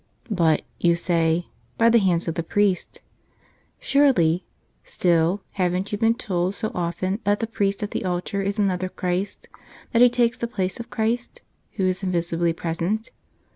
"But," you say, "by the hands of the priest." Surely; still, haven't you been told so often that the priest at the altar is another Christ, that he takes the place of Christ, Who is invisibly present?